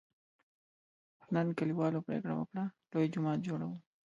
نن کلیوالو پرېکړه وکړه: لوی جومات جوړوو.